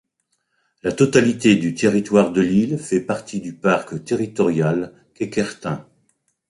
La totalité du territoire de l'île fait partie du parc territorial Kekerten.